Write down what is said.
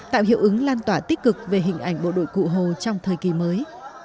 tạo hiệu ứng lan tỏa tích cực về hình ảnh bộ đội cụ hồ trong thời kỳ mới